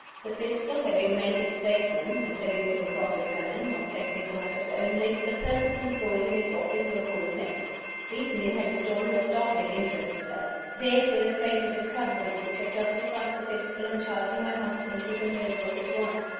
The Fiscal having made his statement, and having been cross examined (on technical matters only), the persons employed in his office were called next. These men had a story of startling interest to tell. Theirs were the fatal discoveries which had justified the Fiscal in charging my husband with the murder of his wife.